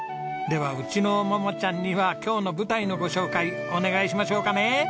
ではうちの桃ちゃんには今日の舞台のご紹介お願いしましょうかね。